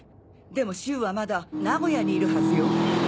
でもシュウはまだ名古屋にいるはずよ。